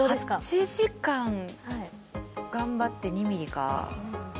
８時間頑張って２ｍｍか。